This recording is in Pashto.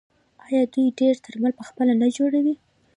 آیا دوی ډیری درمل پخپله نه جوړوي؟